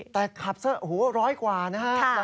แต่ขับสัก๑๐๐กว่านะครับ